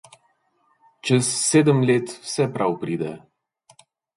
Čez sedem let vse prav pride.